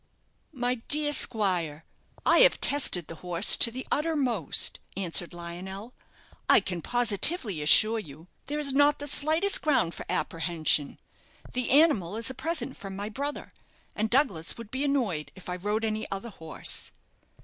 "My dear squire, I have tested the horse to the uttermost," answered Lionel. "I can positively assure you there is not the slightest ground for apprehension. The animal is a present from my brother, and Douglas would be annoyed if I rode any other horse."